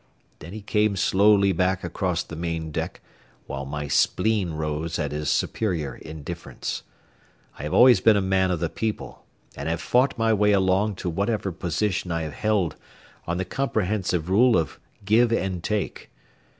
Then he came slowly back across the main deck, while my spleen rose at his superior indifference. I have always been a man of the people, and have fought my way along to whatever position I have held on the comprehensive rule of give and take.